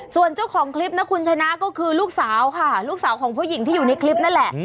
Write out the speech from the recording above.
ส่วนเจ้าของคลิปนะคุณชนะก็คือลูกสาวค่ะลูกสาวของผู้หญิงที่อยู่ในคลิปนั่นแหละ